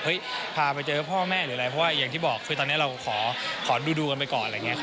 เฮ้ยปาไปเจอพ่อแม่เงาะเลยอย่างที่บอกคือตอนนั้นขอดูกันไปก่อน